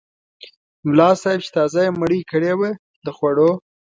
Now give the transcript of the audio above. ملا صاحب چې تازه یې مړۍ کړې وه د خوړو.